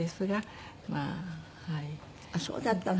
あっそうだったの。